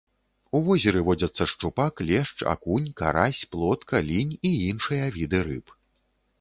У возеры водзяцца шчупак, лешч, акунь, карась, плотка, лінь і іншыя віды рыб.